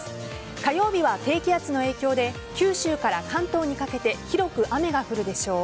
火曜日は低気圧の影響で九州から関東にかけて広く雨が降るでしょう。